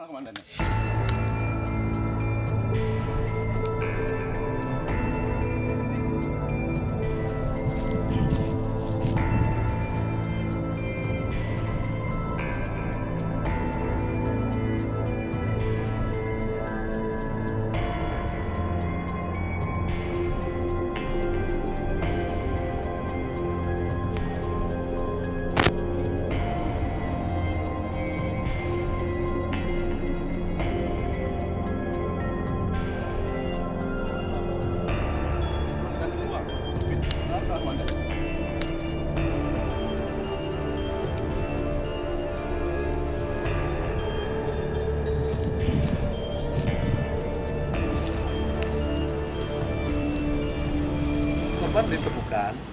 selamat malam komandan